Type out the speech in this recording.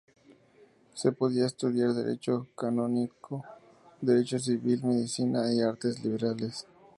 Se podía estudiar derecho canónico, derecho civil, medicina y artes liberales.